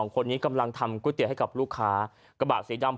คนนี้กำลังทำก๋วยเตี๋ยวให้กับลูกค้ากระบะสีดำ